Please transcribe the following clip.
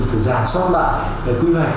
phải giả soát lại quyền hành